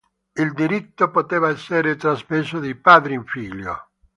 Il diritto poteva essere trasmesso di padre in figlio.